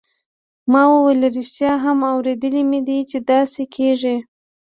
ما وویل ریښتیا هم اوریدلي مې دي چې داسې کیږي.